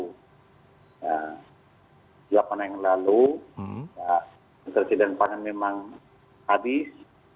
delapan hari yang lalu ketersediaan pangan memang habis